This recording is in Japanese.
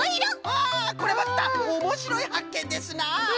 あこれまたおもしろいはっけんですな！